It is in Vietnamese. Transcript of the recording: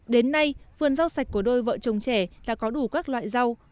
đến nay vườn rau sạch của đôi vợ chồng trẻ đã có đủ các loại rau